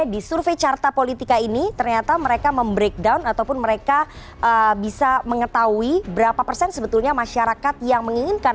di survei carta politika ini ternyata mereka mem breakdown ataupun mereka bisa mengetahui berapa persen sebetulnya masyarakat yang menginginkan